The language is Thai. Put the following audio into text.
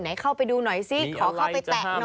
เข้าไปดูหน่อยซิขอเข้าไปแตะหน่อย